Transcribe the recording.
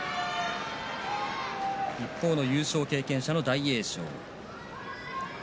一方の優勝経験者の大栄翔です。